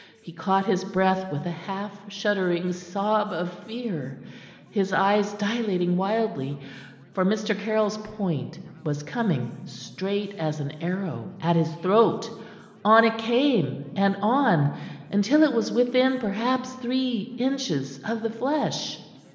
He caught his breath with a half shuddering sob of fear, his eyes dilating wildly for Mr. Caryll's point was coming straight as an arrow at his throat. On it came and on, until it was within perhaps three inches of the flesh.